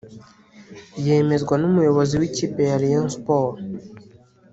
yemezwa n’umuyobozi w’ikipe ya Rayon Sports